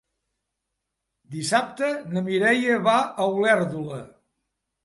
Dissabte na Mireia va a Olèrdola.